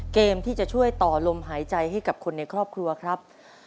เกมที่จะช่วยต่อลมหายใจให้กับคนในครอบครัวครับ